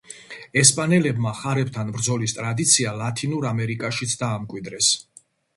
ესპანელებმა ხარებთან ბრძოლის ტრადიცია ლათინურ ამერიკაშიც დაამკვიდრეს.